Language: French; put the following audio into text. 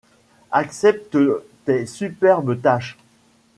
Accepte tes superbes tâches.